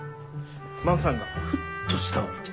万さんがふっと下を見て。